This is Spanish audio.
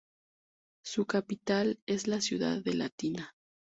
Su capital es la ciudad de Latina.